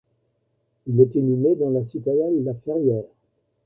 Il est inhumé dans la citadelle La Ferrière.